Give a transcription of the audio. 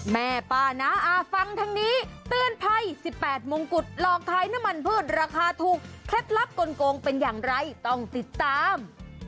แม่ป้านะฟังทางนี้เตือนภัย๑๘มงกุฎหลอกขายน้ำมันพืชราคาถูกเคล็ดลับกลงเป็นอย่างไรต้องติดตาม